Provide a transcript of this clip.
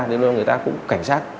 đến lúc người ta cũng cảnh sát